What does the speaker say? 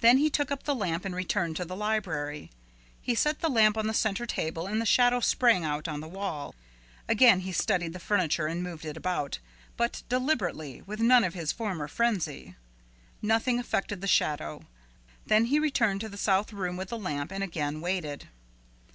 Then he took up the lamp and returned to the library. He set the lamp on the center table and the shadow sprang out on the wall. Again he studied the furniture and moved it about, but deliberately, with none of his former frenzy. Nothing affected the shadow. Then he returned to the south room with the lamp and again waited.